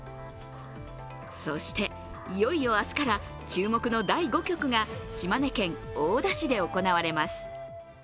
そして、いよいよ明日から注目の第５局が島根県大田市で行われます。